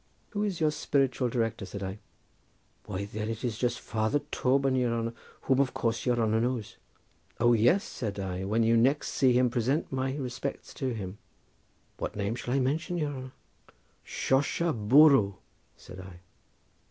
"Who is your spiritual director?" said I. "Why then, it is jist Father Toban, your honour, whom of course your honour knows." "O yes!" said I; "when you next see him present my respects to him." "What name shall I mention, your honour?" "Shorsha Borroo," said I.